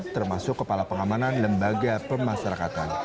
termasuk kepala pengamanan lembaga pemasarakatan